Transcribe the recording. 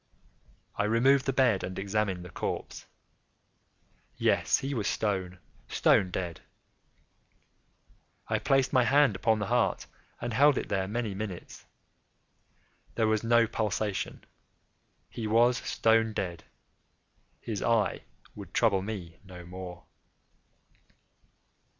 I removed the bed and examined the corpse. Yes, he was stone, stone dead. I placed my hand upon the heart and held it there many minutes. There was no pulsation. He was stone dead. His eye would trouble me no more.